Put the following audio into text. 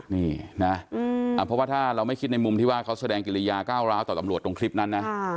นี่นะเพราะว่าถ้าเราไม่คิดในมุมที่ว่าเขาแสดงกิริยาก้าวร้าวต่อตำรวจตรงคลิปนั้นนะ